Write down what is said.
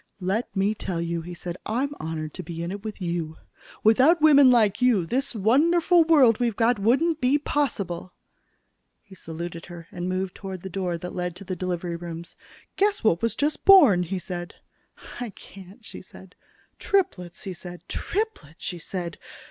"Let me tell you," he said, "I'm honored to be in it with you. Without women like you, this wonderful world we've got wouldn't be possible." He saluted her and moved toward the door that led to the delivery rooms. "Guess what was just born," he said. "I can't," she said. "Triplets!" he said. "Triplets!" she said.